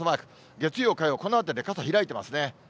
月曜、火曜、このあたりで傘開いてますね。